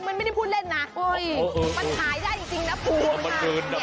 มันไม่ได้พูดเล่นนะมันหายได้จริงนะปูมันหาย